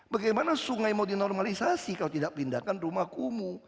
bagaimana sungai mau dinormalisasi kalau tidak pindahkan rumah kumuh